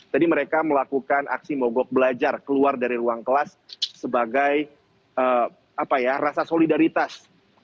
tadi mereka melakukan aksi mogok belajar keluar dari ruang kelas sebagai rasa solidaritas